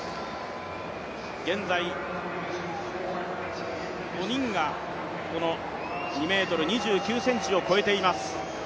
現在、５人が２ｍ２９ｃｍを越えています。